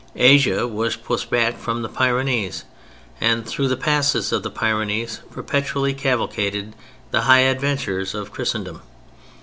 Asia was pushed back from the Pyrenees, and through the passes of the Pyrenees perpetually cavalcaded the high adventurers of Christendom.